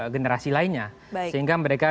generasi lainnya sehingga mereka